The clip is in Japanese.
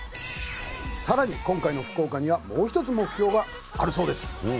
さらに今回の福岡にはもうひとつ目標があるそうです